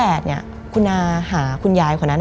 มันกลายเป็นรูปของคนที่กำลังขโมยคิ้วแล้วก็ร้องไห้อยู่